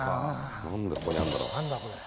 何でここにあんだろう。